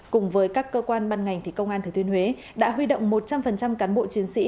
cùng với các cơ quan ban ngành thì công an thừa thiên huế đã huy động một trăm linh cán bộ chiến sĩ